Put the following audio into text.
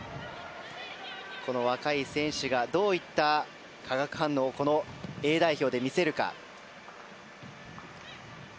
若い選手がどういった化学反応をこのＡ代表で見せるか。